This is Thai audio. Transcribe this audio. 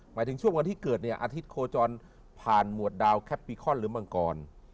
หมายถึงช่วงวันที่เกิดเนี่ยอาทิตย์โคจรผ่านหมวดดาวแคปปิคอนหรือมังกร